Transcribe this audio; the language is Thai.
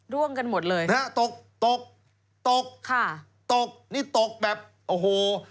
ร่วมกันหมดเลยนะฮะตกตกตกค่ะตกนี่ตกแบบโอ้โห